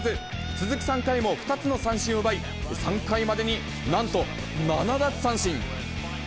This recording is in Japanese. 続く３回も２つの三振を奪い、３回までになんと７奪三振。